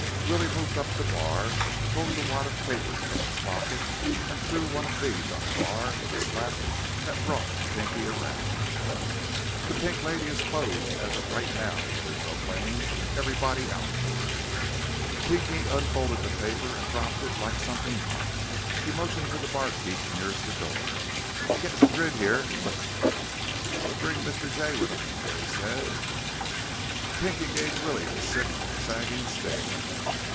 Willie moved up the bar, pulled the wad of papers from his pocket, and threw one of these on the bar with a slap that brought Pinky around. "The Pink Lady is closed as of right now!" Willie proclaimed. "Everybody out!" Pinky unfolded the paper and dropped it like something hot. He motioned to the barkeep nearest the door. "Get Madrid here! Quick!" "B bring Mr. Jay with him," Willie said. Pinky gave Willie a sick, sagging stare.